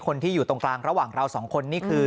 คนที่อยู่ตรงกลางระหว่างเราสองคนนี่คือ